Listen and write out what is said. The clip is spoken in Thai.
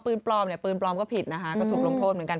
ปืนปลอมก็ผิดนะคะก็ถูกลงโทษเหมือนกัน